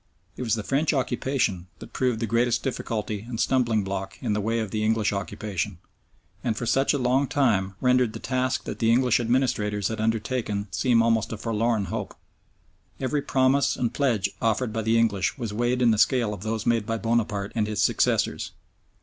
It was the French occupation that proved the greatest difficulty and stumbling block in the way of the English occupation, and for such a long time rendered the task that the English administrators had undertaken seem almost a forlorn hope. Every promise and pledge offered by the English was weighed in the scale of those made by Bonaparte and his successors.